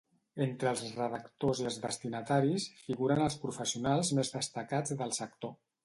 Entre els redactors i els destinataris figuren els professionals més destacats del sector.